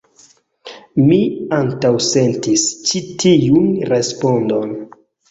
Mi antaŭsentis ĉi tiun respondon.